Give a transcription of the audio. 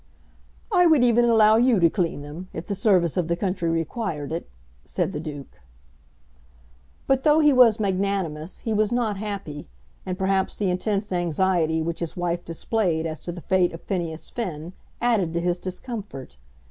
"I would even allow you to clean them, if the service of the country required it," said the Duke. But, though he was magnanimous, he was not happy, and perhaps the intense anxiety which his wife displayed as to the fate of Phineas Finn added to his discomfort.